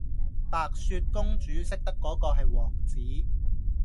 白雪公主識得果個系王子